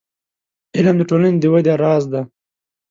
• علم، د ټولنې د ودې راز دی.